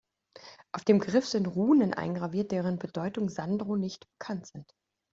Auf dem Griff sind Runen eingraviert, deren Bedeutung Sandro nicht bekannt sind.